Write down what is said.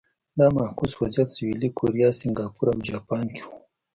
دا معکوس وضعیت سویلي کوریا، سینګاپور او جاپان کې و.